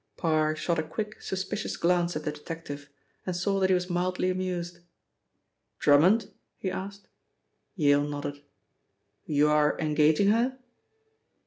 Parr shot a quick, suspicious glance at the detective, and saw that he was mildly amused. "Drummond?" he asked. Yale nodded. "You are engaging her?"